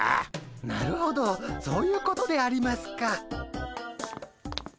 なるほどそういうことでありますか。